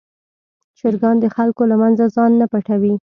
چرګان د خلکو له منځه ځان نه پټوي.